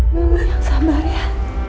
mama yang sabar ya